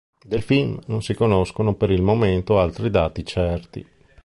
Del film non si conoscono per il momento altri dati certi.